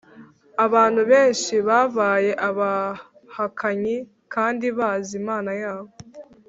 abantu benshi babaye abahakanyi kandi bazi imana yabo